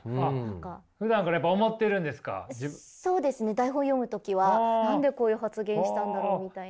台本読む時は何でこういう発言したんだろうみたいな。